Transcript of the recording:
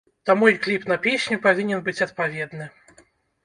Таму і кліп на песню павінен быць адпаведны.